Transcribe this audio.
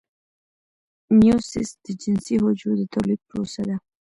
میوسیس د جنسي حجرو د تولید پروسه ده